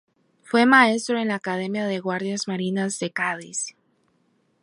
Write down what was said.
Fue maestro en la academia de guardias marinas de Cádiz.